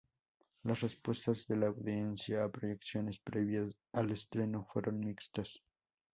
Las respuestas de la audiencia a proyecciones previas al estreno fueron mixtas.